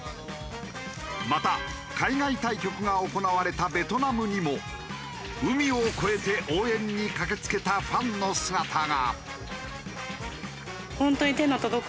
また海外対局が行われたベトナムにも海を越えて応援に駆けつけたファンの姿が。